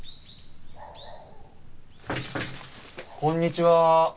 こんにちは。